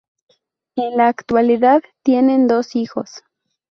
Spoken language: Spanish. En la actualidad tienen dos hijos.